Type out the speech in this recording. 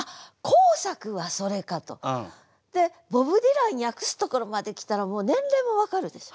でボブ・ディラン訳すところまで来たらもう年齢も分かるでしょ？